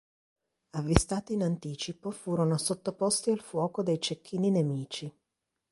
Avvistati in anticipo furono sottoposti al fuoco dei cecchini nemici.